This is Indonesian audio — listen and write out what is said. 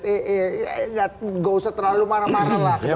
tidak usah terlalu marah marahlah